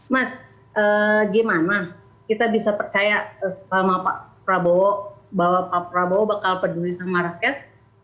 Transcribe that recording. mas gimana kita bisa percaya sama pak prabowo bahwa pak prabowo bakal peduli sama rakyat